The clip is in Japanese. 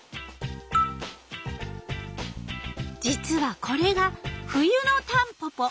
実はこれが冬のタンポポ。